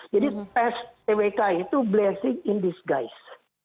jadi pspwk itu blessing in disguise